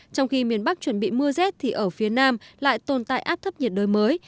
trong khi miền bắc chuẩn bị mưa rét thì ở phía nam lại tồn tại áp thấp nhiệt đới mới